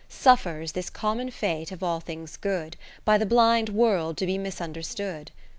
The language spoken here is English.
Suffers this common fate of all things good. By the blind World to be misunder stood.